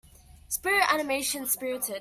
Spirit animation Spirited.